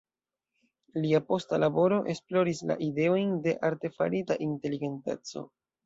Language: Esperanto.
Lia posta laboro esploris la ideojn de artefarita inteligenteco.